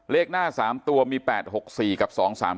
เลขหน้า๓ตัวมี๘๖๔กับ๒๓๓